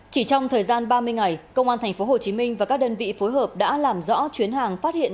chỉ trong thời gian ba mươi ngày công an tp hcm và các đơn vị phối hợp đã làm rõ chuyến hàng phát hiện